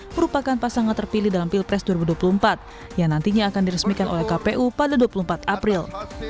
merupakan pasangan terpilih dalam pilpres dua ribu dua puluh empat yang nantinya akan diresmikan oleh kpu pada dua puluh empat april